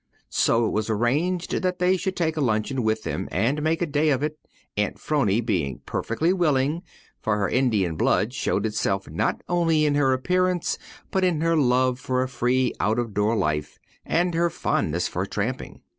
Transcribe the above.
So it was arranged that they should take a luncheon with them and make a day of it, Aunt 'Phrony being perfectly willing, for her Indian blood showed itself not only in her appearance, but in her love for a free out of door life, and her fondness for tramping.